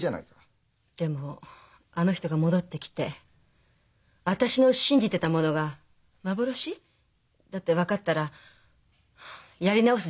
でもあの人が戻ってきて私の信じてたものが幻だって分かったらやり直す自信ないわ。